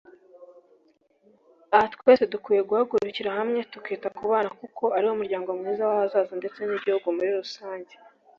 a twese dukwiye guhagurukira hamwe tukita kubana kuko aribo muryango mwiza w’ahazaza ndetse n’igihugu muri rusange